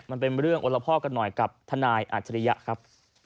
มันเป็นเรื่องโอละพ่อกันหน่อยกับทนายอัจฉริยะครับ